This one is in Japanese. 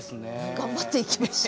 頑張っていきましょう。